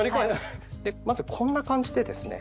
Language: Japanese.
まずこんな感じでですね